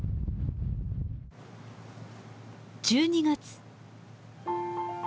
１２月。